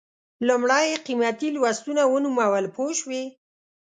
لومړی یې قیمتي لوستونه ونومول پوه شوې!.